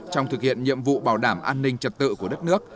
trong thực hiện nhiệm vụ bảo đảm an ninh trật tự của đất nước